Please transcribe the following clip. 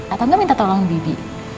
atau enggak minta tolong bibi